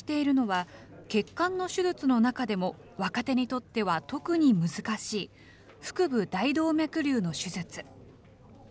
想定しているのは、血管の手術の中でも若手にとっては特に難しい、腹部大動脈りゅうの手術。